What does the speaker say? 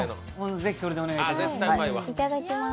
ぜひ、それでお願いします。